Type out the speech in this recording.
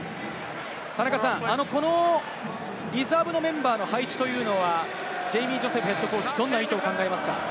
田中さん、リザーブのメンバーの配置は、ジェイミー・ジョセフＨＣ、どんな意図を考えますか？